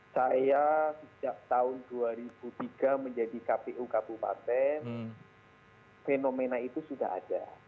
saya sejak tahun dua ribu tiga menjadi kpu kabupaten fenomena itu sudah ada